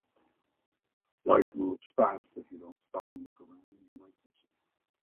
Life moves fast. If you don't stop and look around, you might miss it.